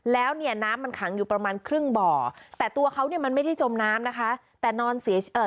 แล้วเนี่ยน้ำมันขังอยู่ประมาณครึ่งบ่อแต่ตัวเขาเนี่ยมันไม่ได้จมน้ำนะคะแต่นอนเสียเอ่อ